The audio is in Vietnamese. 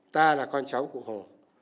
ta là con cháu của hồ